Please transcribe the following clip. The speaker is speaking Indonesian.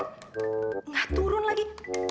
nggak turun lagi